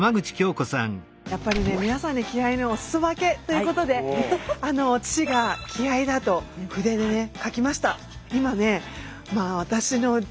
やっぱりね皆さんに気合いのお裾分けということで父が「気合いだー！」と筆でね書きました。